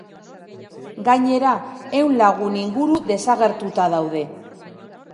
Gainera, ehun lagun inguru desagertuta daude.